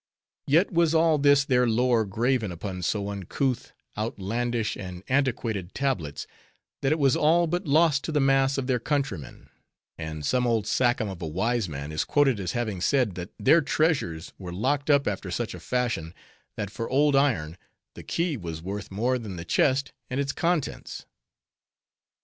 Yet was all this their lore graven upon so uncouth, outlandish, and antiquated tablets, that it was all but lost to the mass of their countrymen; and some old sachem of a wise man is quoted as having said, that their treasures were locked up after such a fashion, that for old iron, the key was worth more than the chest and its contents.